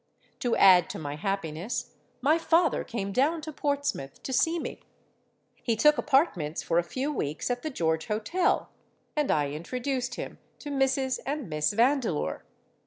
To add to my happiness my father came down to Portsmouth to see me: he took apartments for a few weeks at the George Hotel; and I introduced him to Mrs. and Miss Vandeleur.